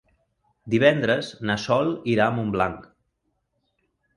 Divendres na Sol irà a Montblanc.